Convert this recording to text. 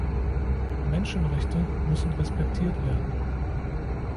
Menschenrechte müssen respektiert werden.